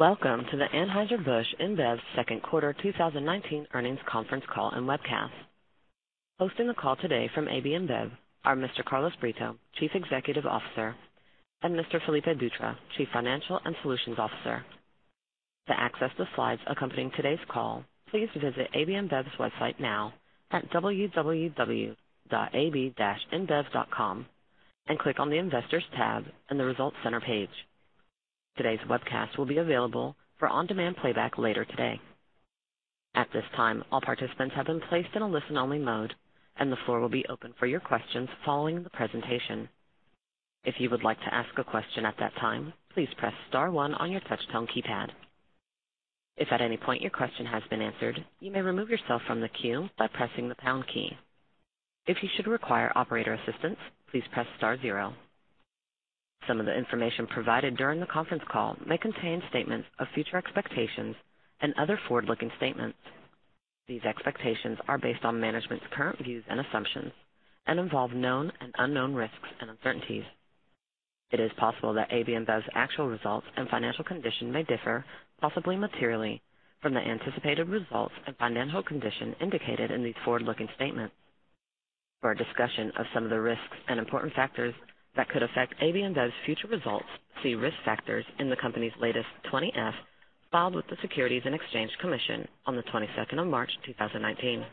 Welcome to the Anheuser-Busch InBev second quarter 2019 earnings conference call and webcast. Hosting the call today from AB InBev are Mr. Carlos Brito, Chief Executive Officer, and Mr. Felipe Dutra, Chief Financial and Solutions Officer. To access the slides accompanying today's call, please visit AB InBev's website now at www.ab-inbev.com and click on the Investors tab in the Results Center page. Today's webcast will be available for on-demand playback later today. At this time, all participants have been placed in a listen-only mode, and the floor will be open for your questions following the presentation. If you would like to ask a question at that time, please press star one on your touchtone keypad. If at any point your question has been answered, you may remove yourself from the queue by pressing the pound key. If you should require operator assistance, please press star zero. Some of the information provided during the conference call may contain statements of future expectations and other forward-looking statements. These expectations are based on management's current views and assumptions and involve known and unknown risks and uncertainties. It is possible that AB InBev's actual results and financial condition may differ, possibly materially, from the anticipated results and financial condition indicated in these forward-looking statements. For a discussion of some of the risks and important factors that could affect AB InBev's future results, see risk factors in the company's latest 20-F filed with the Securities and Exchange Commission on the 22nd of March 2019.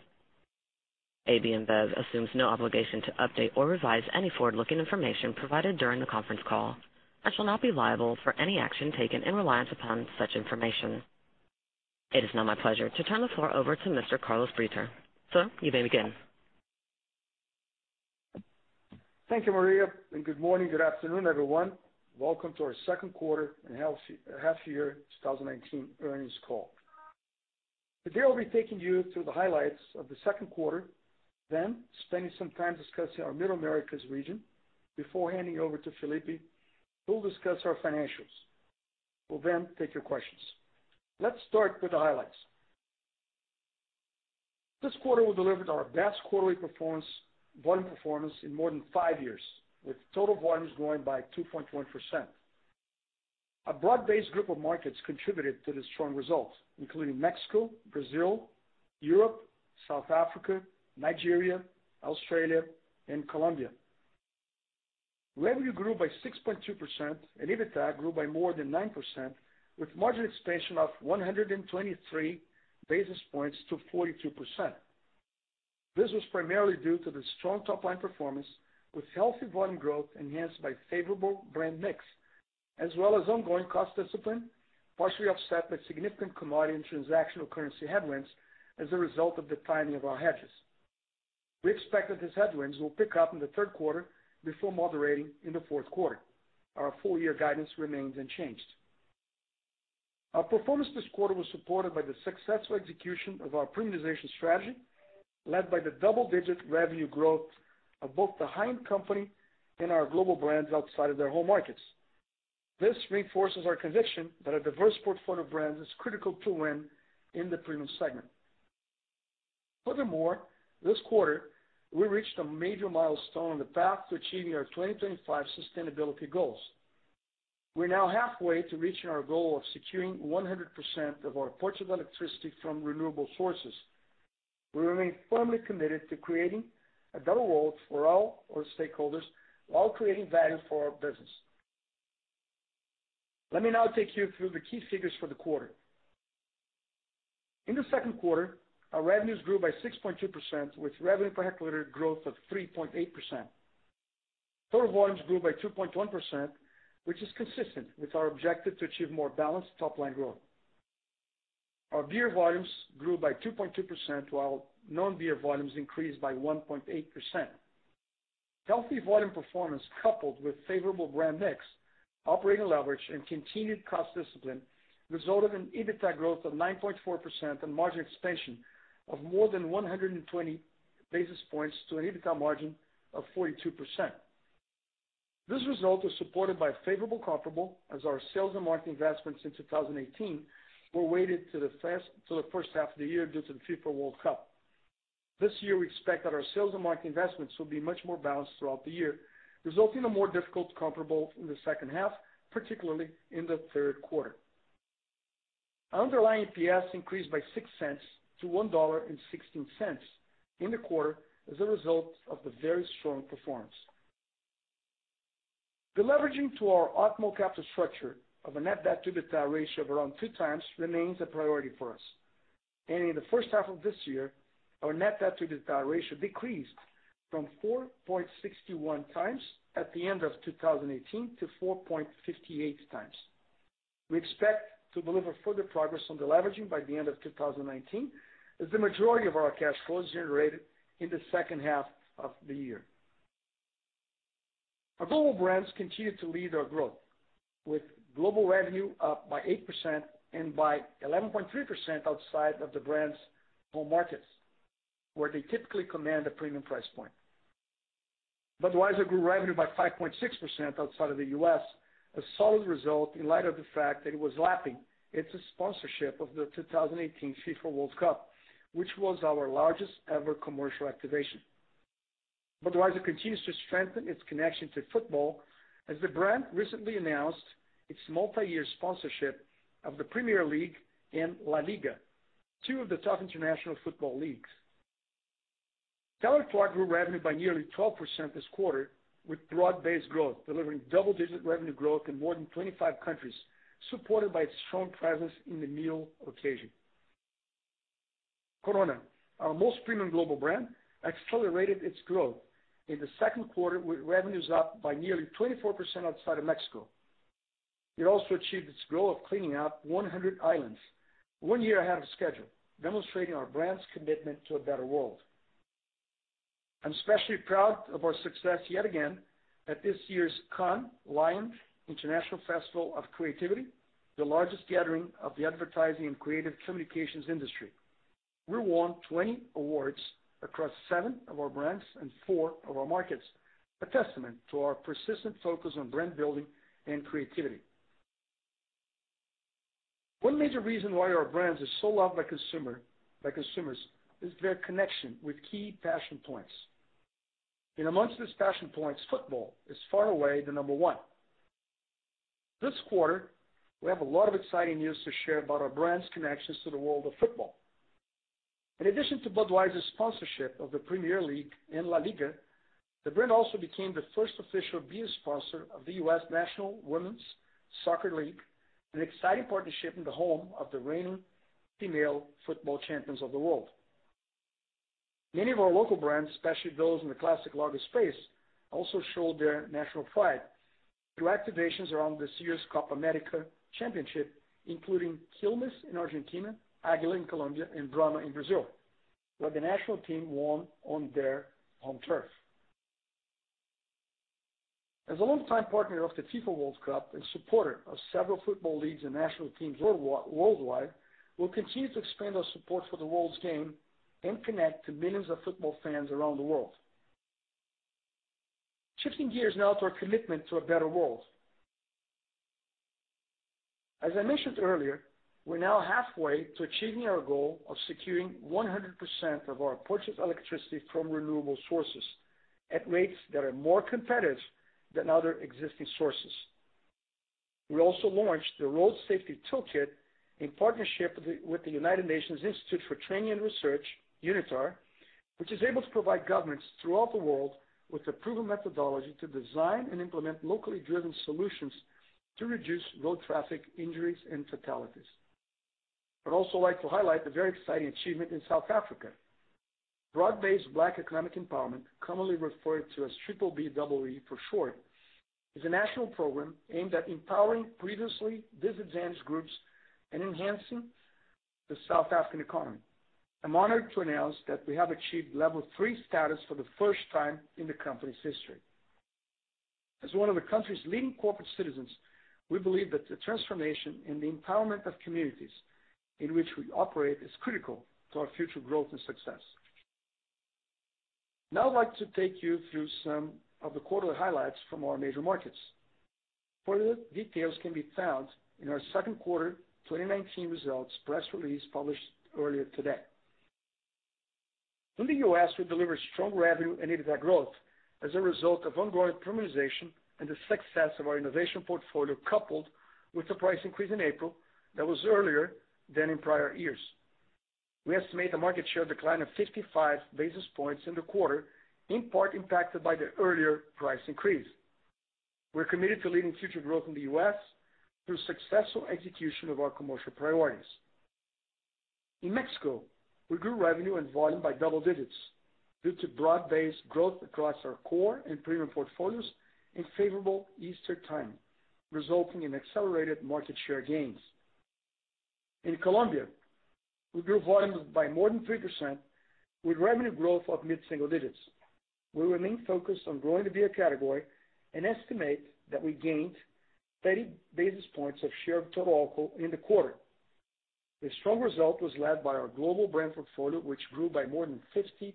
AB InBev assumes no obligation to update or revise any forward-looking information provided during the conference call and shall not be liable for any action taken in reliance upon such information. It is now my pleasure to turn the floor over to Mr. Carlos Brito. Sir, you may begin. Thank you, Maria, and good morning, good afternoon, everyone. Welcome to our second quarter and half year 2019 earnings call. Today, I'll be taking you through the highlights of the second quarter, spending some time discussing our Middle Americas region. Before handing over to Felipe, who will discuss our financials. We'll take your questions. Let's start with the highlights. This quarter, we delivered our best quarterly volume performance in more than five years, with total volumes growing by 2.1%. A broad-based group of markets contributed to the strong results, including Mexico, Brazil, Europe, South Africa, Nigeria, Australia, and Colombia. Revenue grew by 6.2%, and EBITDA grew by more than 9%, with margin expansion of 123 basis points to 42%. This was primarily due to the strong top-line performance, with healthy volume growth enhanced by favorable brand mix, as well as ongoing cost discipline, partially offset by significant commodity and transactional currency headwinds as a result of the timing of our hedges. We expect that these headwinds will pick up in the third quarter before moderating in the fourth quarter. Our full-year guidance remains unchanged. Our performance this quarter was supported by the successful execution of our premiumization strategy, led by the double-digit revenue growth of both the High End Company and our global brands outside of their home markets. This reinforces our conviction that a diverse portfolio of brands is critical to win in the premium segment. Furthermore, this quarter, we reached a major milestone on the path to achieving our 2025 sustainability goals. We're now halfway to reaching our goal of securing 100% of our purchased electricity from renewable sources. We remain firmly committed to creating a double world for all our stakeholders while creating value for our business. Let me now take you through the key figures for the quarter. In the second quarter, our revenues grew by 6.2%, with revenue per hectoliter growth of 3.8%. Total volumes grew by 2.1%, which is consistent with our objective to achieve more balanced top-line growth. Our beer volumes grew by 2.2%, while non-beer volumes increased by 1.8%. Healthy volume performance, coupled with favorable brand mix, operating leverage, and continued cost discipline, resulted in EBITDA growth of 9.4% and margin expansion of more than 120 basis points to an EBITDA margin of 42%. This result was supported by a favorable comparable as our sales and marketing investments since 2018 were weighted to the first half of the year due to the FIFA World Cup. This year, we expect that our sales and marketing investments will be much more balanced throughout the year, resulting in a more difficult comparable in the second half, particularly in the third quarter. Our underlying EPS increased by $0.06 to $1.16 in the quarter as a result of the very strong performance. Deleveraging to our optimal capital structure of a net debt to EBITDA ratio of around two times remains a priority for us. In the first half of this year, our net debt to EBITDA ratio decreased from 4.61 times at the end of 2018 to 4.58 times. We expect to deliver further progress on deleveraging by the end of 2019, as the majority of our cash flow is generated in the second half of the year. Our global brands continue to lead our growth, with global revenue up by 8% and by 11.3% outside of the brands' home markets, where they typically command a premium price point. Budweiser grew revenue by 5.6% outside of the U.S., a solid result in light of the fact that it was lapping its sponsorship of the 2018 FIFA World Cup, which was our largest-ever commercial activation. Budweiser continues to strengthen its connection to football as the brand recently announced its multi-year sponsorship of the Premier League and LaLiga, two of the top international football leagues. [inaudible] grew revenue by nearly 12% this quarter with broad-based growth, delivering double-digit revenue growth in more than 25 countries, supported by its strong presence in the meal occasion. Corona, our most premium global brand, accelerated its growth in the second quarter, with revenues up by nearly 24% outside of Mexico. It also achieved its goal of cleaning up 100 islands one year ahead of schedule, demonstrating our brand's commitment to a better world. I'm especially proud of our success yet again at this year's Cannes Lions International Festival of Creativity, the largest gathering of the advertising and creative communications industry. We won 20 awards across seven of our brands and four of our markets, a testament to our persistent focus on brand building and creativity. One major reason why our brands are so loved by consumers is their connection with key passion points. Amongst these passion points, football is far away the number one. This quarter, we have a lot of exciting news to share about our brands' connections to the world of football. In addition to Budweiser's sponsorship of the Premier League and LaLiga, the brand also became the first official beer sponsor of the U.S. National Women's Soccer League, an exciting partnership in the home of the reigning female football champions of the world. Many of our local brands, especially those in the classic lager space, also showed their national pride through activations around this year's Copa América championship, including Quilmes in Argentina, Águila in Colombia, and Brahma in Brazil, where the national team won on their own turf. As a longtime partner of the FIFA World Cup and supporter of several football leagues and national teams worldwide, we'll continue to expand our support for the world's game and connect to millions of football fans around the world. Shifting gears now to our commitment to a better world. As I mentioned earlier, we're now halfway to achieving our goal of securing 100% of our purchased electricity from renewable sources at rates that are more competitive than other existing sources. We also launched the Road Safety Toolkit in partnership with the United Nations Institute for Training and Research, UNITAR, which is able to provide governments throughout the world with a proven methodology to design and implement locally driven solutions to reduce road traffic injuries and fatalities. I'd also like to highlight the very exciting achievement in South Africa. Broad-Based Black Economic Empowerment, commonly referred to as BBBEE for short, is a national program aimed at empowering previously disadvantaged groups and enhancing the South African economy. I'm honored to announce that we have achieved level 3 status for the first time in the company's history. As one of the country's leading corporate citizens, we believe that the transformation and the empowerment of communities in which we operate is critical to our future growth and success. I'd like to take you through some of the quarterly highlights from our major markets. Further details can be found in our second quarter 2019 results press release published earlier today. In the U.S., we delivered strong revenue and EBITDA growth as a result of ongoing premiumization and the success of our innovation portfolio, coupled with the price increase in April that was earlier than in prior years. We estimate a market share decline of 55 basis points in the quarter, in part impacted by the earlier price increase. We're committed to leading future growth in the U.S. through successful execution of our commercial priorities. In Mexico, we grew revenue and volume by double digits due to broad-based growth across our core and premium portfolios and favorable Easter timing, resulting in accelerated market share gains. In Colombia, we grew volumes by more than 3% with revenue growth of mid-single digits. We remain focused on growing the beer category and estimate that we gained 30 basis points of share of total alcohol in the quarter. The strong result was led by our global brand portfolio, which grew by more than 50%.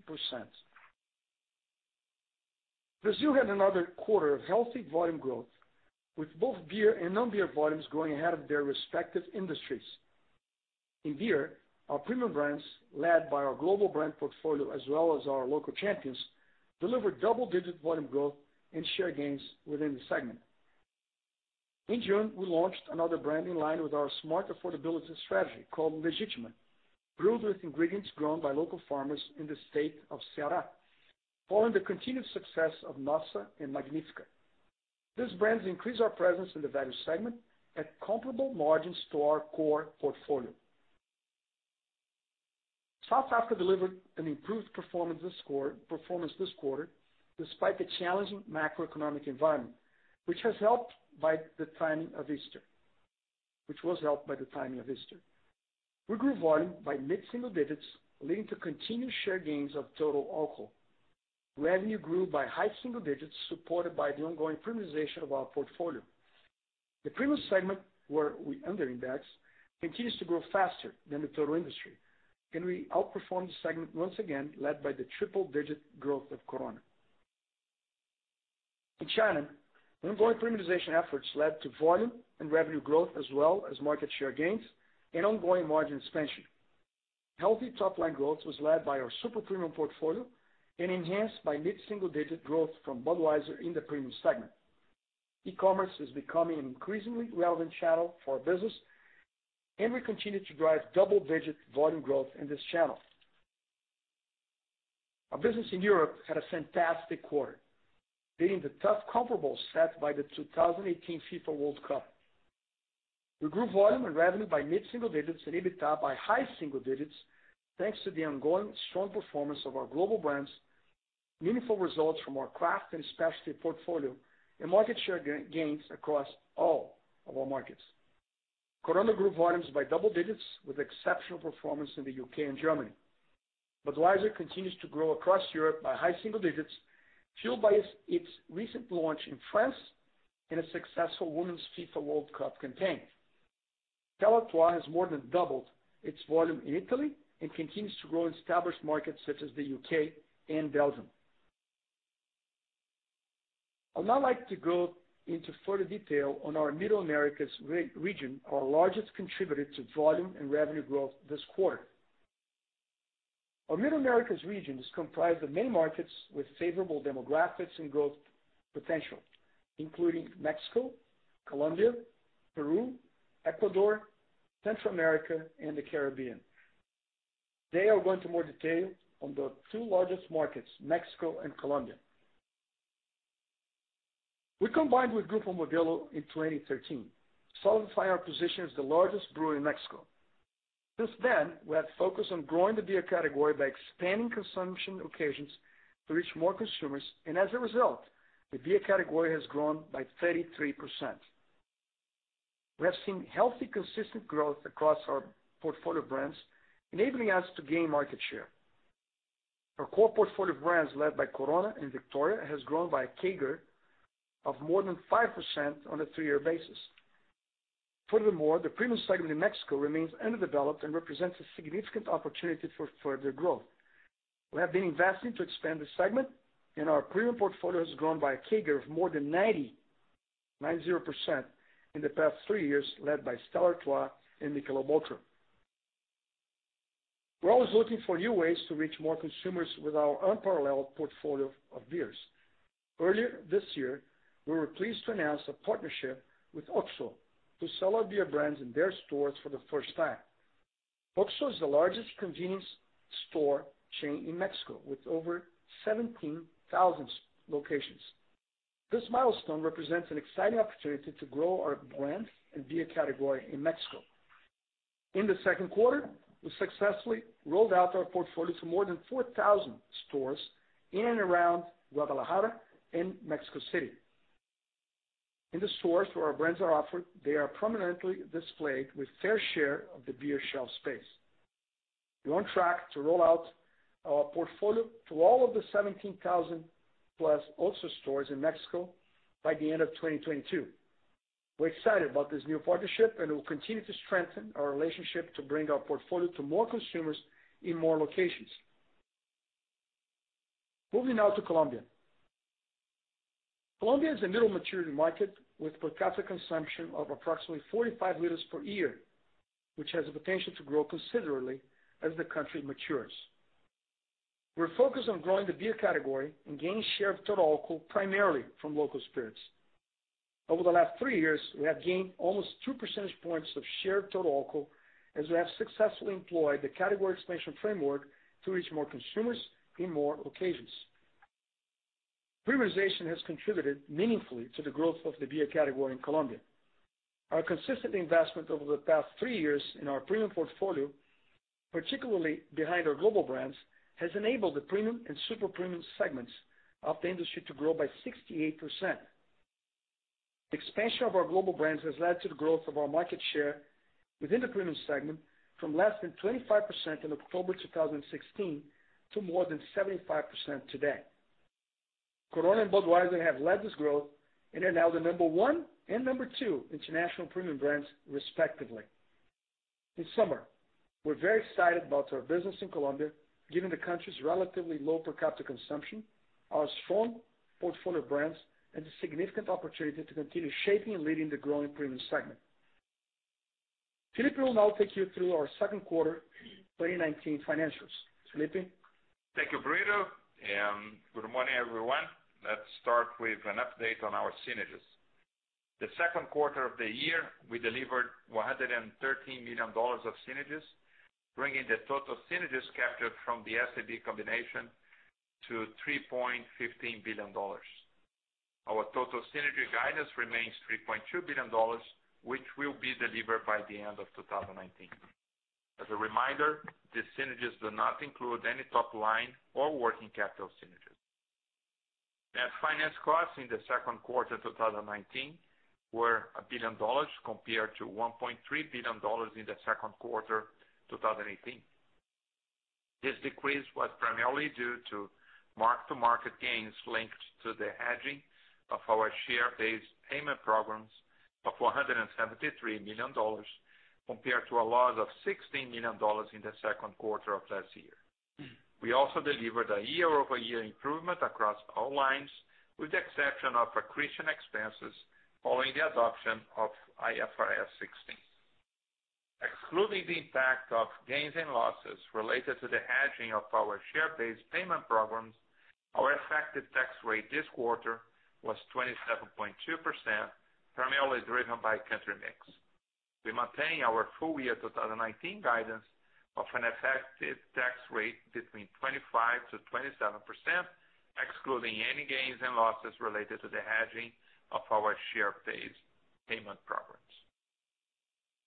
Brazil had another quarter of healthy volume growth, with both beer and non-beer volumes growing ahead of their respective industries. In beer, our premium brands, led by our global brand portfolio as well as our local champions, delivered double-digit volume growth and share gains within the segment. In June, we launched another brand in line with our smart affordability strategy called Legítima, brewed with ingredients grown by local farmers in the state of Ceará, following the continued success of Nossa and Magnífica. These brands increase our presence in the value segment at comparable margins to our core portfolio. South Africa delivered an improved performance this quarter, despite the challenging macroeconomic environment, which was helped by the timing of Easter. We grew volume by mid-single digits, leading to continued share gains of total alcohol. Revenue grew by high single digits, supported by the ongoing premiumization of our portfolio. The premium segment, where we under-index, continues to grow faster than the total industry. We outperformed the segment once again, led by the triple-digit growth of Corona. In China, ongoing premiumization efforts led to volume and revenue growth as well as market share gains and ongoing margin expansion. Healthy top-line growth was led by our super premium portfolio and enhanced by mid-single digit growth from Budweiser in the premium segment. E-commerce is becoming an increasingly relevant channel for our business, and we continue to drive double-digit volume growth in this channel. Our business in Europe had a fantastic quarter, beating the tough comparables set by the 2018 FIFA World Cup. We grew volume and revenue by mid-single digits and EBITDA by high single digits, thanks to the ongoing strong performance of our global brands, meaningful results from our craft and specialty portfolio, and market share gains across all of our markets. Corona grew volumes by double digits with exceptional performance in the U.K. and Germany. Budweiser continues to grow across Europe by high single digits, fueled by its recent launch in France and a successful FIFA Women's World Cup campaign. Stella Artois has more than doubled its volume in Italy and continues to grow in established markets such as the U.K. and Belgium. I'd now like to go into further detail on our Middle Americas region, our largest contributor to volume and revenue growth this quarter. Our Middle Americas region is comprised of many markets with favorable demographics and growth potential, including Mexico, Colombia, Peru, Ecuador, Central America, and the Caribbean. Today I'll go into more detail on the two largest markets, Mexico and Colombia. We combined with Grupo Modelo in 2013, solidifying our position as the largest brewery in Mexico. Since then, we have focused on growing the beer category by expanding consumption occasions to reach more consumers. As a result, the beer category has grown by 33%. We have seen healthy, consistent growth across our portfolio brands, enabling us to gain market share. Our core portfolio brands, led by Corona and Victoria, has grown by a CAGR of more than 5% on a three-year basis. The premium segment in Mexico remains underdeveloped and represents a significant opportunity for further growth. We have been investing to expand this segment, and our premium portfolio has grown by a CAGR of more than 90% in the past three years, led by Stella Artois and Michelob Ultra. We're always looking for new ways to reach more consumers with our unparalleled portfolio of beers. Earlier this year, we were pleased to announce a partnership with OXXO to sell our beer brands in their stores for the first time. OXXO is the largest convenience store chain in Mexico, with over 17,000 locations. This milestone represents an exciting opportunity to grow our brand and beer category in Mexico. In the second quarter, we successfully rolled out our portfolio to more than 4,000 stores in and around Guadalajara and Mexico City. In the stores where our brands are offered, they are prominently displayed with fair share of the beer shelf space. We're on track to roll out our portfolio to all of the 17,000-plus OXXO stores in Mexico by the end of 2022. We're excited about this new partnership, and we'll continue to strengthen our relationship to bring our portfolio to more consumers in more locations. Moving now to Colombia. Colombia is a middle maturity market with per capita consumption of approximately 45 liters per year, which has the potential to grow considerably as the country matures. We're focused on growing the beer category and gain share of total alcohol, primarily from local spirits. Over the last three years, we have gained almost two percentage points of share of total alcohol as we have successfully employed the category expansion framework to reach more consumers in more occasions. Premiumization has contributed meaningfully to the growth of the beer category in Colombia. Our consistent investment over the past three years in our premium portfolio, particularly behind our global brands, has enabled the premium and super premium segments of the industry to grow by 68%. Expansion of our global brands has led to the growth of our market share within the premium segment from less than 25% in October 2016 to more than 75% today. Corona and Budweiser have led this growth and are now the number one and number two international premium brands respectively. This summer, we're very excited about our business in Colombia, given the country's relatively low per capita consumption, our strong portfolio brands, and the significant opportunity to continue shaping and leading the growing premium segment. Felipe will now take you through our second quarter 2019 financials. Felipe? Thank you, Brito. Good morning, everyone. Let's start with an update on our synergies. The second quarter of the year, we delivered $113 million of synergies, bringing the total synergies captured from the SAB combination to $3.15 billion. Our total synergy guidance remains $3.2 billion, which will be delivered by the end of 2019. As a reminder, the synergies do not include any top line or working capital synergies. Net finance costs in the second quarter 2019 were $1 billion compared to $1.3 billion in the second quarter 2018. This decrease was primarily due to mark-to-market gains linked to the hedging of our share-based payment programs of $173 million compared to a loss of $16 million in the second quarter of last year. We also delivered a year-over-year improvement across all lines, with the exception of accretion expenses following the adoption of IFRS 16. Excluding the impact of gains and losses related to the hedging of our share-based payment programs, our effective tax rate this quarter was 27.2%, primarily driven by country mix. We maintain our full year 2019 guidance of an effective tax rate between 25%-27%, excluding any gains and losses related to the hedging of our share-based payment programs.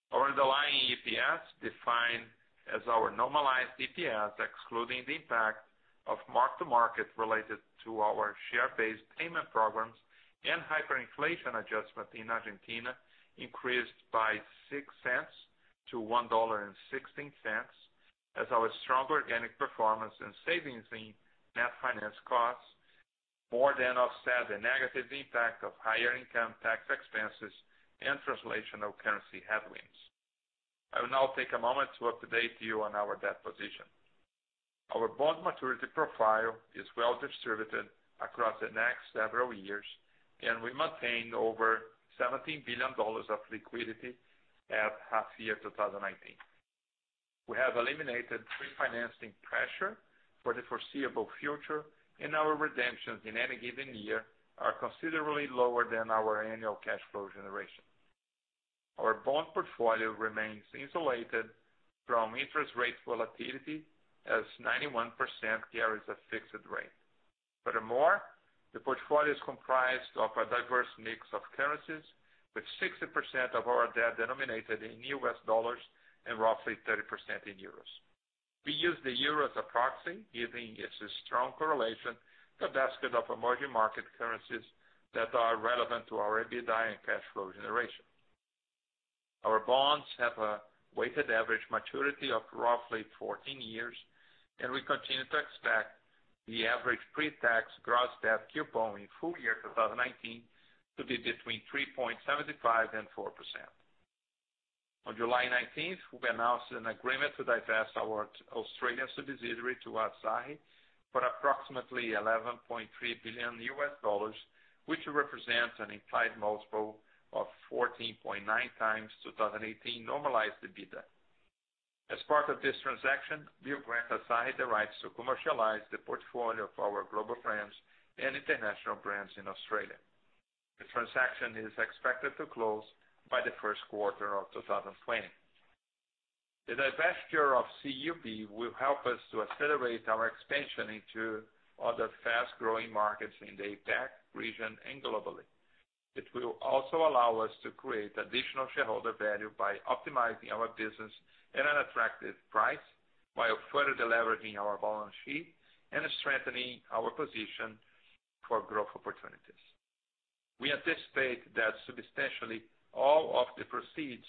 Our underlying EPS, defined as our normalized EPS, excluding the impact of mark-to-market related to our share-based payment programs and hyperinflation adjustment in Argentina, increased by $0.06 to $1.16 as our stronger organic performance and savings in net finance costs more than offset the negative impact of higher income tax expenses and translational currency headwinds. I will now take a moment to update you on our debt position. Our bond maturity profile is well distributed across the next several years, and we maintain over $17 billion of liquidity at half year 2019. We have eliminated pre-financing pressure for the foreseeable future, and our redemptions in any given year are considerably lower than our annual cash flow generation. Our bond portfolio remains insulated from interest rate volatility as 91% carries a fixed rate. Furthermore, the portfolio is comprised of a diverse mix of currencies, with 60% of our debt denominated in U.S. dollars and roughly 30% in EUR. We use the euro as a proxy, giving us a strong correlation to a basket of emerging market currencies that are relevant to our EBITDA and cash flow generation. Our bonds have a weighted average maturity of roughly 14 years, and we continue to expect the average pre-tax gross debt coupon in full year 2019 to be between 3.75% and 4%. On July 19th, we announced an agreement to divest our Australian subsidiary to Asahi for approximately $11.3 billion, which represents an implied multiple of 14.9 times 2018 normalized EBITDA. As part of this transaction, we will grant Asahi the rights to commercialize the portfolio of our global brands and international brands in Australia. The transaction is expected to close by the first quarter of 2020. The divestiture of CUB will help us to accelerate our expansion into other fast-growing markets in the APAC region and globally. It will also allow us to create additional shareholder value by optimizing our business at an attractive price while further deleveraging our balance sheet and strengthening our position for growth opportunities. We anticipate that substantially all of the proceeds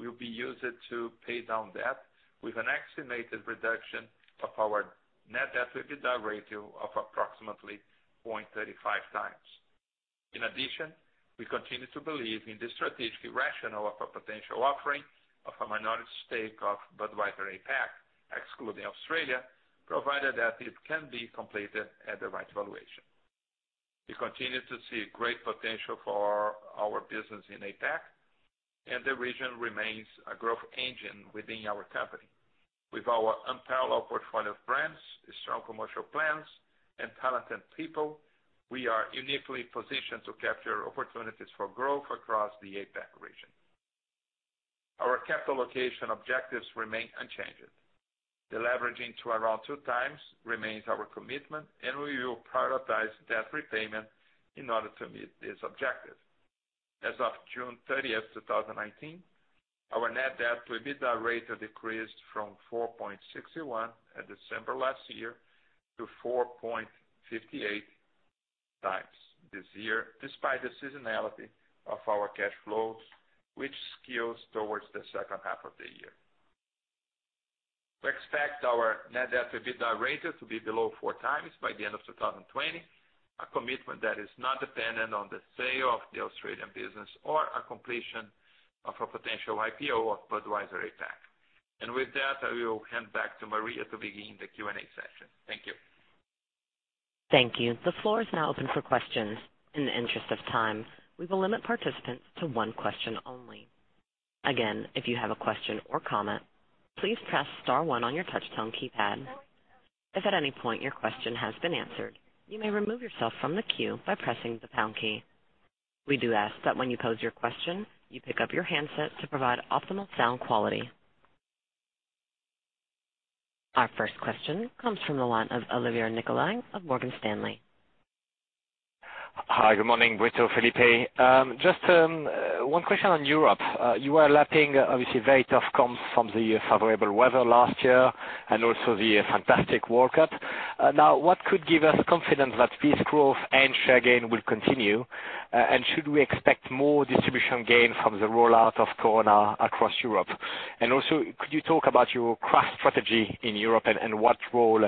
will be used to pay down debt with an estimated reduction of our net debt to EBITDA ratio of approximately 0.35 times. In addition, we continue to believe in the strategic rationale of a potential offering of a minority stake of Budweiser APAC, excluding Australia, provided that it can be completed at the right valuation. We continue to see great potential for our business in APAC, and the region remains a growth engine within our company. With our unparalleled portfolio of brands, strong commercial plans, and talented people, we are uniquely positioned to capture opportunities for growth across the APAC region. Our capital allocation objectives remain unchanged. Deleveraging to around two times remains our commitment, and we will prioritize debt repayment in order to meet this objective. As of June 30th, 2019, our net debt to EBITDA ratio decreased from 4.61 at December last year to 4.58 times this year, despite the seasonality of our cash flows, which skews towards the second half of the year. We expect our net debt to EBITDA ratio to be below four times by the end of 2020, a commitment that is not dependent on the sale of the Australian business or a completion of a potential IPO of Budweiser APAC. With that, I will hand back to Maria to begin the Q&A session. Thank you. Thank you. The floor is now open for questions. In the interest of time, we will limit participants to one question only. Again, if you have a question or comment, please press star one on your touch tone keypad. If at any point your question has been answered, you may remove yourself from the queue by pressing the pound key. We do ask that when you pose your question, you pick up your handset to provide optimal sound quality. Our first question comes from the line of Olivier Nicolaï of Morgan Stanley. Hi, good morning, Brito, Felipe. Just one question on Europe. You are lapping obviously very tough comps from the favorable weather last year and also the fantastic World Cup. What could give us confidence that this growth and share gain will continue? Should we expect more distribution gain from the rollout of Corona across Europe? Could you talk about your craft strategy in Europe and what role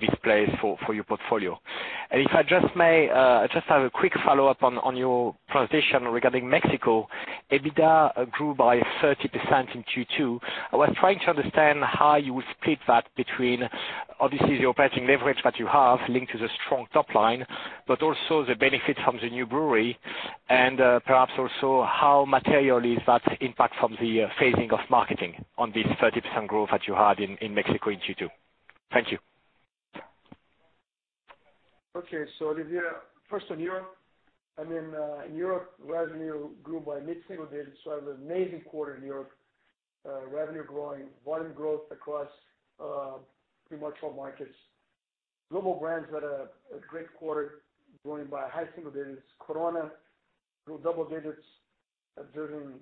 this plays for your portfolio. If I just may, I just have a quick follow-up on your presentation regarding Mexico. EBITDA grew by 30% in Q2. I was trying to understand how you would split that between, obviously, the operating leverage that you have linked to the strong top line, but also the benefit from the new brewery, and perhaps also how material is that impact from the phasing of marketing on this 30% growth that you had in Mexico in Q2. Thank you. Okay. Olivier, first on Europe. In Europe, revenue grew by mid-single digits, it was an amazing quarter in Europe. Revenue growing, volume growth across pretty much all markets. Global brands had a great quarter, growing by high single digits. Corona grew double digits, driven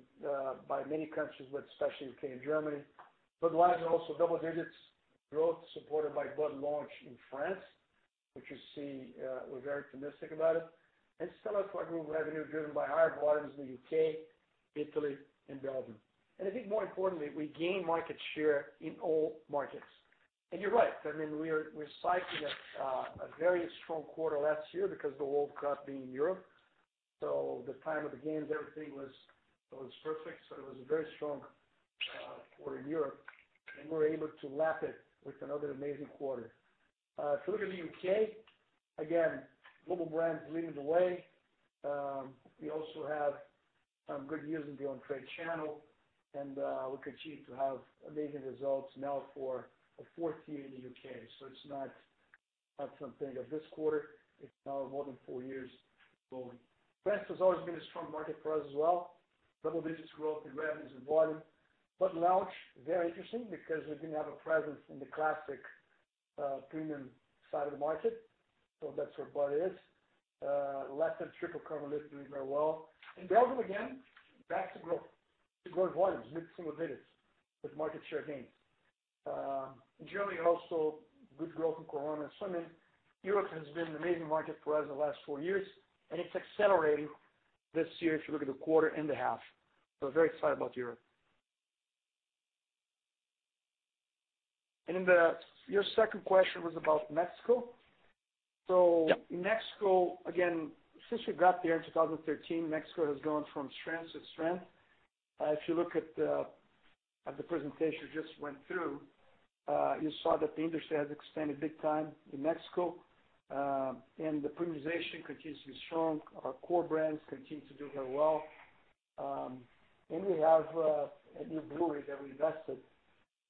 by many countries, but especially U.K. and Germany. Bud Light also double digits growth supported by Bud Launch in France, which you see we're very optimistic about it. Stella grew revenue driven by higher volumes in the U.K., Italy, and Belgium. I think more importantly, we gained market share in all markets. You're right, we're cycling a very strong quarter last year because the FIFA World Cup being in Europe. The time of the games, everything was perfect. It was a very strong quarter in Europe, and we're able to lap it with another amazing quarter. If you look at the U.K., again, global brands leading the way. We also have some good news in the on-trade channel, and we continue to have amazing results now for a fourth year in the U.K. It's not something of this quarter. It's now more than four years going. France has always been a strong market for us as well. Double digits growth in revenues and volume. Bud Launch, very interesting, because we didn't have a presence in the classic premium side of the market. That's where Bud is. Leffe Tripel Karmeliet is doing very well. In Belgium, again, back to growth. Growing volumes, mid-single digits, with market share gains. In Germany, also good growth in Corona and Stella. Europe has been an amazing market for us in the last four years, and it's accelerating this year if you look at the quarter and the half. Very excited about Europe. Your second question was about Mexico? Yep. Mexico, again, since we got there in 2013, Mexico has gone from strength to strength. If you look at the presentation we just went through, you saw that the industry has expanded big time in Mexico, and the premiumization continues to be strong. Our core brands continue to do very well. We have a new brewery that we invested,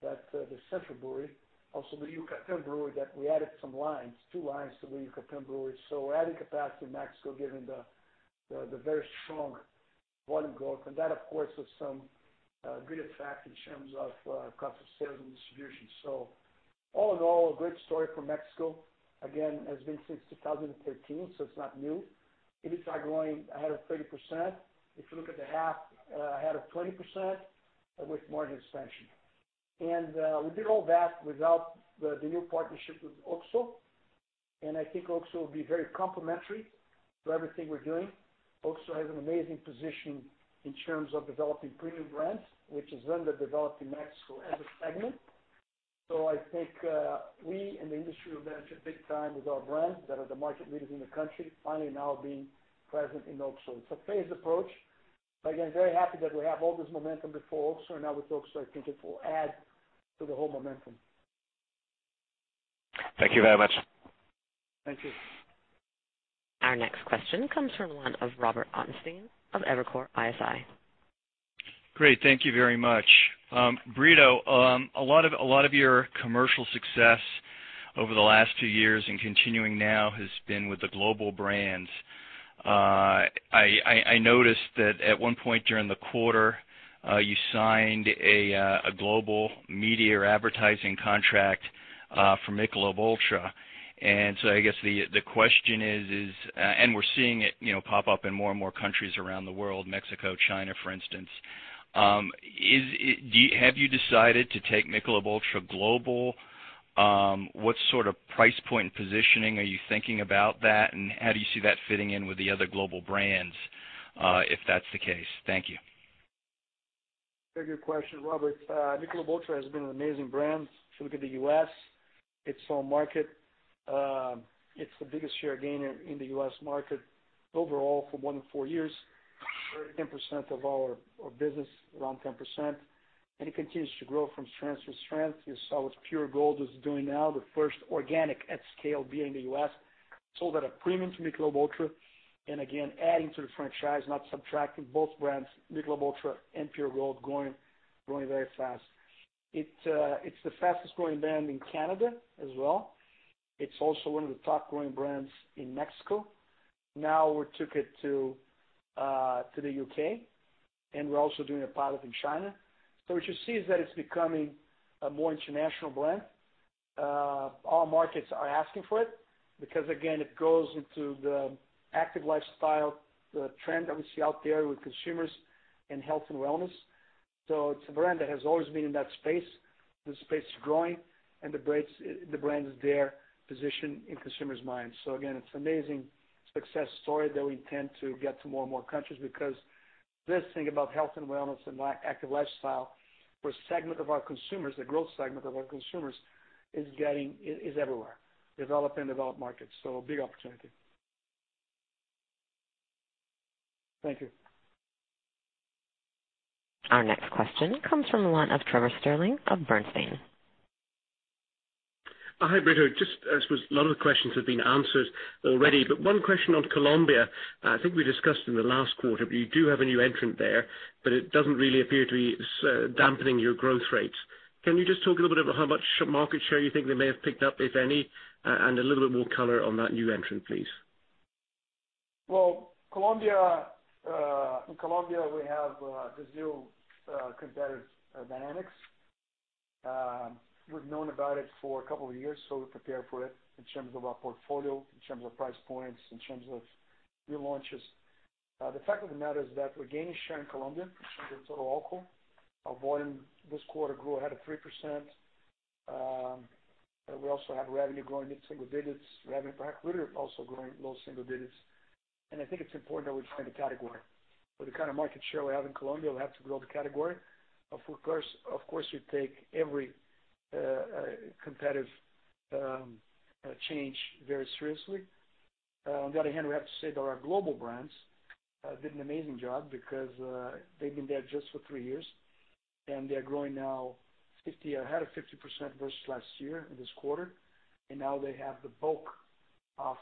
the central brewery, also the Yucatán brewery, that we added some lines, 2 lines to the Yucatán brewery. Adding capacity in Mexico, given the very strong volume growth. That, of course, with some great effect in terms of cost of sales and distribution. All in all, a great story for Mexico. Has been since 2013, so it's not new. EBITDA growing ahead of 30%. If you look at the half, ahead of 20%, with margin expansion. We did all that without the new partnership with OXXO, and I think OXXO will be very complementary to everything we're doing. OXXO has an amazing position in terms of developing premium brands, which is underdeveloping Mexico as a segment. I think we in the industry will benefit big time with our brands that are the market leaders in the country, finally now being present in OXXO. It's a phased approach, but again, very happy that we have all this momentum before OXXO, and now with OXXO, I think it will add to the whole momentum. Thank you very much. Thank you. Our next question comes from the line of Robert Ottenstein of Evercore ISI. Great. Thank you very much. Brito, a lot of your commercial success over the last two years and continuing now has been with the global brands. I noticed that at one point during the quarter, you signed a global media or advertising contract for Michelob ULTRA. I guess the question is, we're seeing it pop up in more and more countries around the world, Mexico, China, for instance. Have you decided to take Michelob ULTRA global? What sort of price point positioning are you thinking about that, and how do you see that fitting in with the other global brands, if that's the case? Thank you. Very good question, Robert. Michelob ULTRA has been an amazing brand. If you look at the U.S., its home market, it's the biggest share gainer in the U.S. market overall for more than four years. 30% of our business, around 10%, and it continues to grow from strength to strength. You saw what Pure Gold is doing now, the first organic at scale beer in the U.S., sold at a premium to Michelob ULTRA. Again, adding to the franchise, not subtracting. Both brands, Michelob ULTRA and Pure Gold, growing very fast. It's the fastest-growing brand in Canada as well. It's also one of the top growing brands in Mexico. Now we took it to the U.K., and we're also doing a pilot in China. What you see is that it's becoming a more international brand. All markets are asking for it because, again, it goes into the active lifestyle trend that we see out there with consumers and health and wellness. It's a brand that has always been in that space. The space is growing, and the brand is there, positioned in consumers' minds. Again, it's an amazing success story that we intend to get to more and more countries because this thing about health and wellness and active lifestyle for a segment of our consumers, the growth segment of our consumers, is everywhere, developed and developing markets. Big opportunity. Thank you. Our next question comes from the line of Trevor Stirling of Bernstein. Hi, Brito. I suppose a lot of the questions have been answered already. One question on Colombia. I think we discussed in the last quarter. You do have a new entrant there, but it doesn't really appear to be dampening your growth rates. Can you just talk a little bit about how much market share you think they may have picked up, if any, and a little bit more color on that new entrant, please? Well, in Colombia, we have the new competitive dynamics. We've known about it for a couple of years, so we prepare for it in terms of our portfolio, in terms of price points, in terms of new launches. The fact of the matter is that we're gaining share in Colombia in terms of total alcohol. Our volume this quarter grew ahead of 3%. We also have revenue growing mid-single digits. Revenue per hectoliter also growing low single digits. I think it's important that we find a category. With the kind of market share we have in Colombia, we'll have to grow the category. Of course, we take every competitive change very seriously. On the other hand, we have to say that our global brands did an amazing job because they've been there just for three years, and they are growing now ahead of 50% versus last year in this quarter. Now they have the bulk of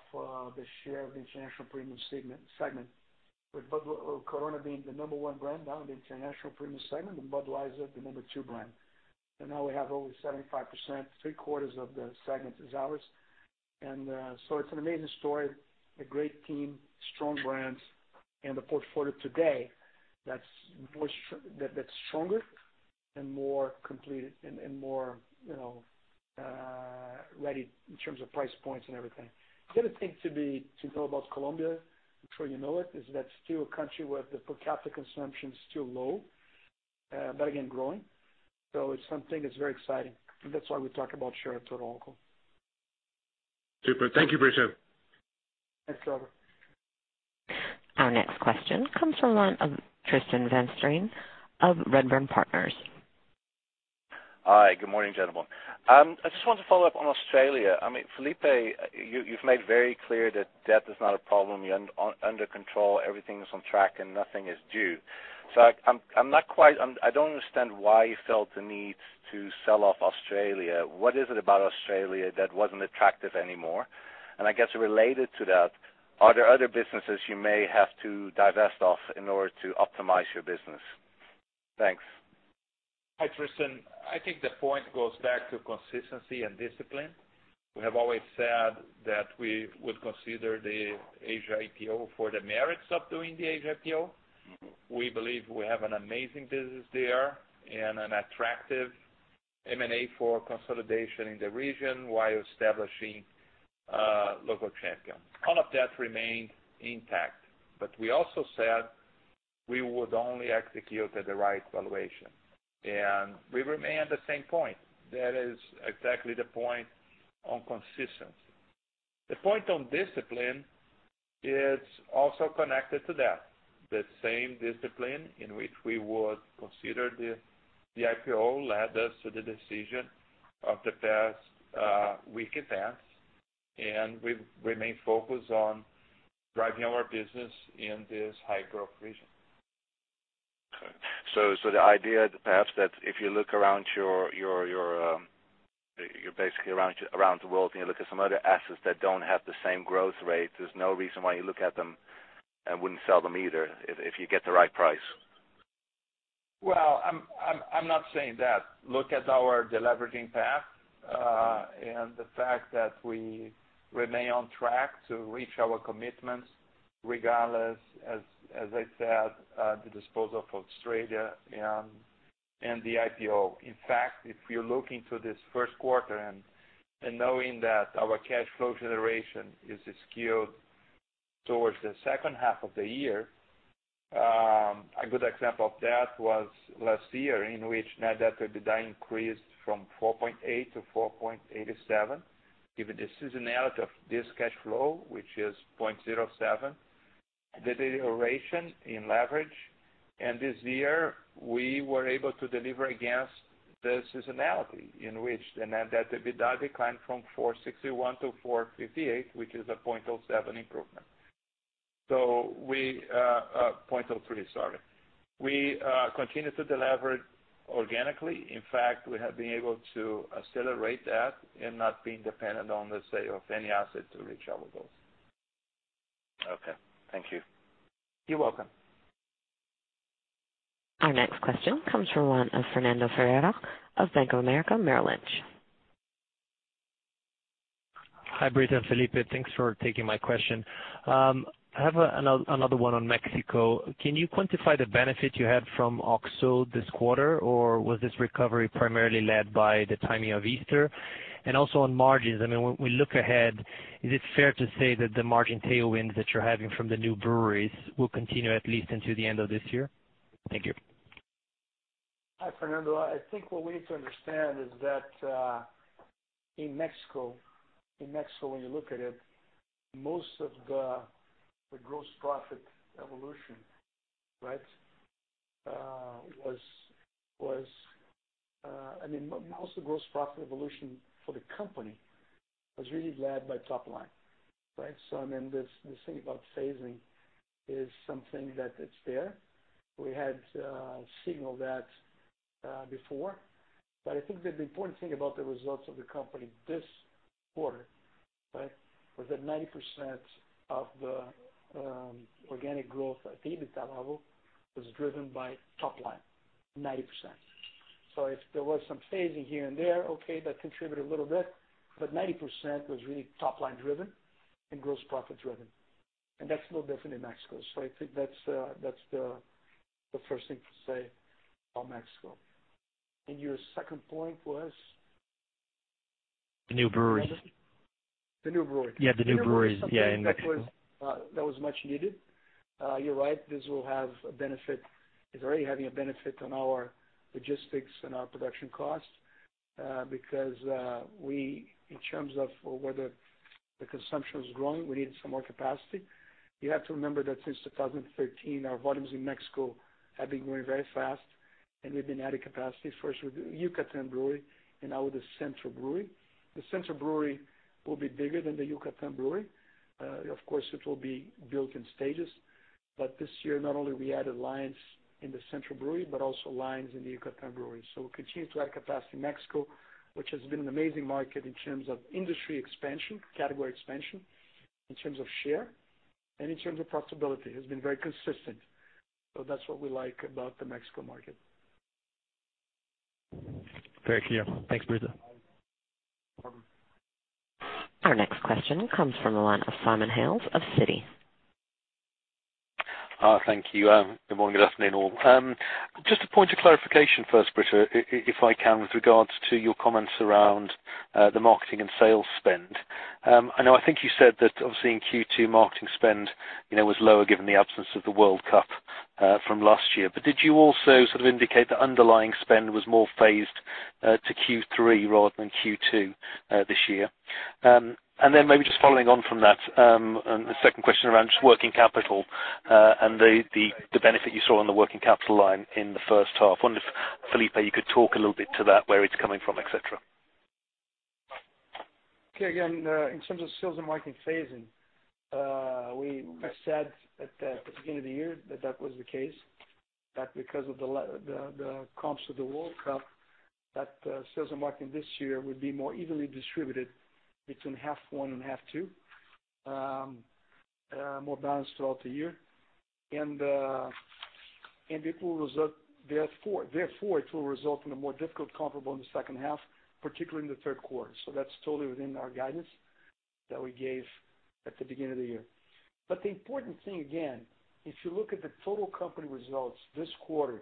the share of the international premium segment, with Corona being the number one brand now in the international premium segment and Budweiser the number two brand. Now we have over 75%, three-quarters of the segment is ours. It's an amazing story, a great team, strong brands, and a portfolio today that's stronger and more completed and more ready in terms of price points and everything. The other thing to know about Colombia, I'm sure you know it, is that it's still a country where the per capita consumption is still low, but again, growing. It's something that's very exciting, and that's why we talk about share of total alcohol. Super. Thank you, Brito. Thanks, Trevor. Our next question comes from the line of Tristan van Strien of Redburn Partners. Hi, good morning, gentlemen. I just want to follow up on Australia. Felipe, you've made very clear that debt is not a problem. You're under control. Everything is on track, and nothing is due. I don't understand why you felt the need to sell off Australia. What is it about Australia that wasn't attractive anymore? I guess related to that, are there other businesses you may have to divest off in order to optimize your business? Thanks. Hi, Tristan. I think the point goes back to consistency and discipline. We have always said that we would consider the Asia IPO for the merits of doing the Asia IPO. We believe we have an amazing business there and an attractive M&A for consolidation in the region while establishing a local champion. All of that remained intact, but we also said we would only execute at the right valuation, and we remain at the same point. That is exactly the point on consistency. The point on discipline is also connected to that. The same discipline in which we would consider the IPO led us to the decision of the past week events, and we remain focused on driving our business in this high-growth region. Okay. The idea perhaps that if you look around the world and you look at some other assets that don't have the same growth rate, there's no reason why you look at them and wouldn't sell them either, if you get the right price. Well, I'm not saying that. Look at our deleveraging path and the fact that we remain on track to reach our commitments, regardless, as I said, the disposal for Australia and the IPO. If you look into this first quarter and knowing that our cash flow generation is skewed towards the second half of the year, a good example of that was last year, in which net debt to EBITDA increased from 4.8 to 4.87, given the seasonality of this cash flow, which is 0.07, the deterioration in leverage. This year, we were able to deliver against the seasonality in which the net debt to EBITDA declined from 461 to 458, which is a 0.07 improvement. 0.03, sorry. We continue to deleverage organically. We have been able to accelerate that and not being dependent on the sale of any asset to reach our goals. Okay. Thank you. You're welcome. Our next question comes from the line of Fernando Ferreira of Bank of America Merrill Lynch. Hi, Brito and Felipe. Thanks for taking my question. I have another one on Mexico. Can you quantify the benefit you had from OXXO this quarter, or was this recovery primarily led by the timing of Easter? Also on margins, when we look ahead, is it fair to say that the margin tailwinds that you're having from the new breweries will continue at least until the end of this year? Thank you. Hi, Fernando. I think what we need to understand is that in Mexico, when you look at it, most of the gross profit evolution for the company was really led by top line. This thing about phasing is something that it's there. We had signaled that before, but I think the important thing about the results of the company this quarter was that 90% of the organic growth at EBITDA level was driven by top line, 90%. If there was some phasing here and there, okay, that contributed a little bit, but 90% was really top-line driven and gross profit driven. That's no different in Mexico. I think that's the first thing to say about Mexico. Your second point was? The new breweries. The new brewery. Yeah, the new breweries. Yeah, in Mexico. That was much needed. You're right. This is already having a benefit on our logistics and our production costs, because in terms of whether the consumption is growing, we needed some more capacity. You have to remember that since 2013, our volumes in Mexico have been growing very fast, and we've been adding capacity, first with the Yucatan Brewery and now with the Central Brewery. The Central Brewery will be bigger than the Yucatan Brewery. Of course, it will be built in stages. This year, not only have we added lines in the Central Brewery, but also lines in the Yucatan Brewery. We continue to add capacity in Mexico, which has been an amazing market in terms of industry expansion, category expansion, in terms of share, and in terms of profitability. It's been very consistent. That's what we like about the Mexico market. Very clear. Thanks, Brito. Our next question comes from the line of Simon Hales of Citi. Thank you. Good morning. Good afternoon, all. Just a point of clarification first, Brito, if I can, with regards to your comments around the marketing and sales spend. I know, I think you said that obviously in Q2, marketing spend was lower given the absence of the World Cup from last year. Did you also indicate that underlying spend was more phased to Q3 rather than Q2 this year? Maybe just following on from that, and a second question around just working capital and the benefit you saw on the working capital line in the first half. I wonder if, Felipe, you could talk a little bit to that, where it's coming from, et cetera. Okay. Again, in terms of sales and marketing phasing, we said at the beginning of the year that was the case, that because of the comps of the World Cup, that sales and marketing this year would be more evenly distributed between half one and half two, more balanced throughout the year. Therefore, it will result in a more difficult comparable in the second half, particularly in the third quarter. That's totally within our guidance that we gave at the beginning of the year. The important thing, again, if you look at the total company results this quarter,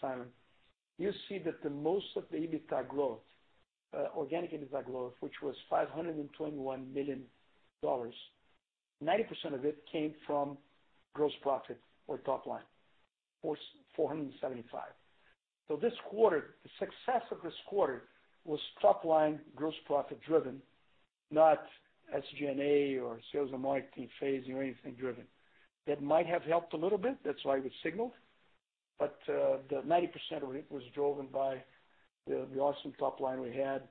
Simon, you see that the most of the EBITDA growth, organic EBITDA growth, which was $521 million, 90% of it came from gross profit or top line, $475. This quarter, the success of this quarter was top line gross profit driven, not SG&A or sales and marketing phasing or anything driven. That might have helped a little bit, that's why we signaled, but the 90% of it was driven by the awesome top line we had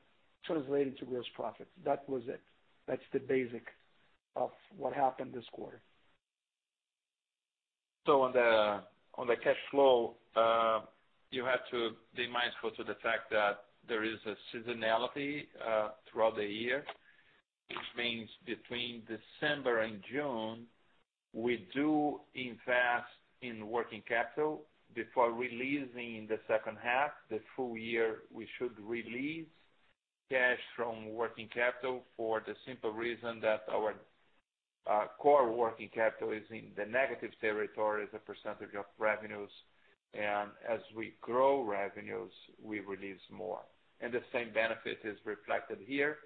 translating to gross profit. That was it. That's the basic of what happened this quarter. On the cash flow, you have to be mindful to the fact that there is a seasonality throughout the year, which means between December and June, we do invest in working capital before releasing in the second half. The full year, we should release cash from working capital for the simple reason that our core working capital is in the negative territory as a percentage of revenues. As we grow revenues, we release more. The same benefit is reflected here,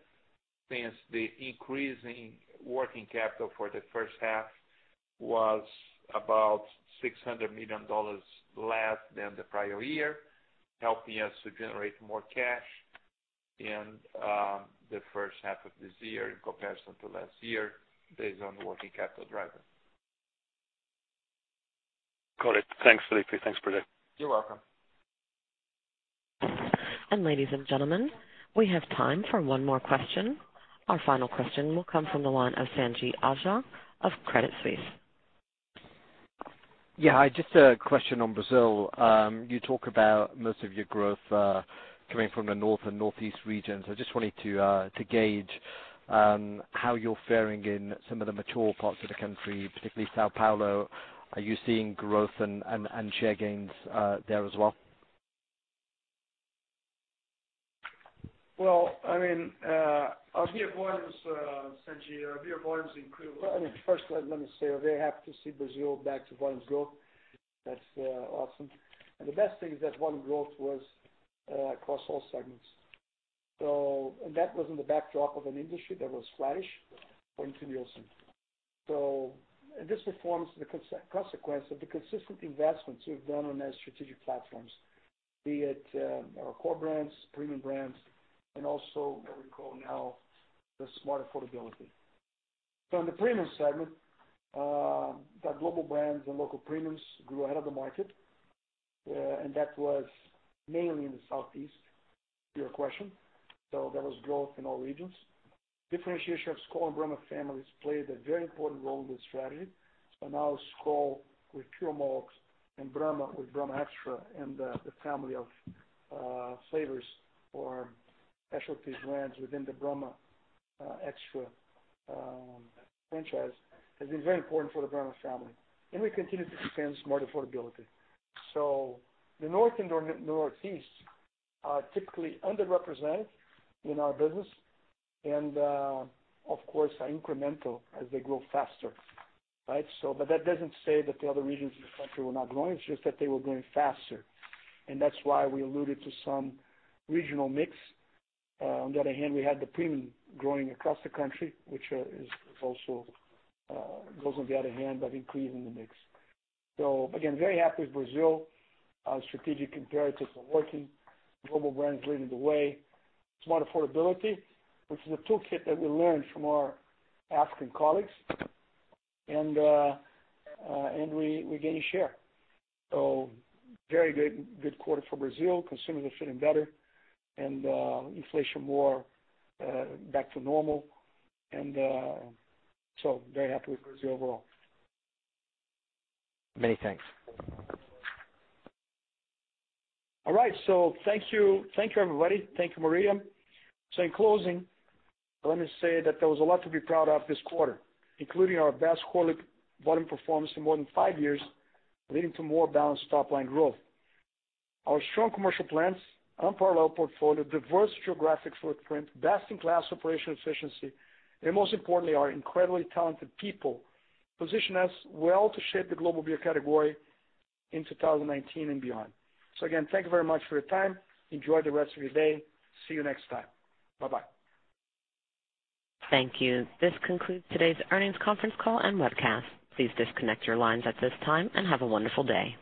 since the increasing working capital for the first half was about $600 million less than the prior year, helping us to generate more cash in the first half of this year in comparison to last year based on the working capital driver. Got it. Thanks, Felipe. Thanks, Brito. You're welcome. Ladies and gentlemen, we have time for one more question. Our final question will come from the line of Sanjeet Aujla of Credit Suisse. Yeah. Hi, just a question on Brazil. You talk about most of your growth coming from the North and Northeast regions. I just wanted to gauge how you're fairing in some of the mature parts of the country, particularly São Paulo. Are you seeing growth and share gains there as well? Well, our beer volumes, Sanjeet, are beer volumes improving? First let me say, I'm very happy to see Brazil back to volumes growth. That's awesome. The best thing is that volume growth was across all segments. That was in the backdrop of an industry that was flattish according to Nielsen. This performance is a consequence of the consistent investments we've done on our strategic platforms, be it our core brands, premium brands, and also what we call now the smart affordability. In the premium segment, the global brands and local premiums grew ahead of the market, and that was mainly in the Southeast, to your question. There was growth in all regions. Differentiation of Skol and Brahma families played a very important role in this strategy. Now Skol with Puro Malte and Brahma with Brahma Extra and the family of flavors or specialty brands within the Brahma Extra franchise has been very important for the Brahma family. We continue to expand smart affordability. The North and Northeast are typically underrepresented in our business and, of course, are incremental as they grow faster, right? That doesn't say that the other regions of the country were not growing, it's just that they were growing faster. That's why we alluded to some regional mix. On the other hand, we had the premium growing across the country, which also goes on the other hand by increasing the mix. Again, very happy with Brazil. Our strategic imperatives are working. Global brands leading the way. Smart affordability, which is a toolkit that we learned from our African colleagues. We're gaining share. Very good quarter for Brazil. Consumers are feeling better and inflation more back to normal. Very happy with Brazil overall. Many thanks. All right. Thank you, everybody. Thank you, Maria. In closing, let me say that there was a lot to be proud of this quarter, including our best quarterly volume performance in more than five years, leading to more balanced top-line growth. Our strong commercial plans, unparalleled portfolio, diverse geographic footprint, best-in-class operational efficiency, and most importantly, our incredibly talented people position us well to shape the global beer category in 2019 and beyond. Again, thank you very much for your time. Enjoy the rest of your day. See you next time. Bye-bye. Thank you. This concludes today's earnings conference call and webcast. Please disconnect your lines at this time and have a wonderful day.